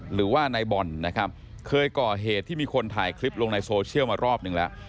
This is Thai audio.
หรือว่านายบอลนะครับเคยก่อเหตุที่มีคนถ่ายคลิปลงในโซเชียลมารอบหนึ่งแล้ว